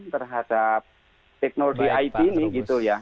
terhadap teknologi id ini gitu ya